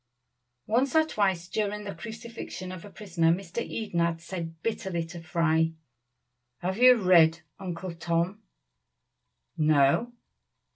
Once or twice during the crucifixion of a prisoner Mr. Eden had said bitterly to Fry, "Have you read 'Uncle Tom?'" "No!"